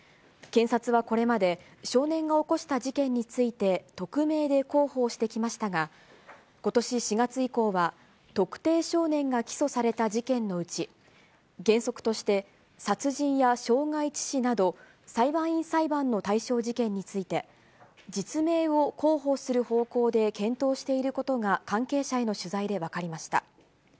検察はこれまで、少年が起こした事件について、匿名で広報してきましたが、ことし４月以降は特定少年が起訴された事件のうち、原則として殺人や傷害致死など、裁判員裁判の対象事件について、実名を広報する方向で検討していることが関係者への取材で分かりました。